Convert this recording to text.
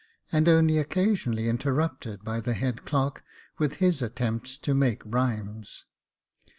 and only occasion ally interrupted by the head clerk, with his attempt to make rhymes.